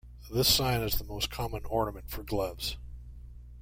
This sign is the most common ornament for gloves.